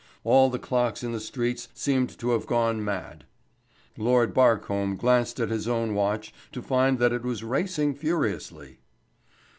All the clocks in the streets seemed to have gone mad. Lord Barcombe glanced at his own watch, to find that it was racing furiously.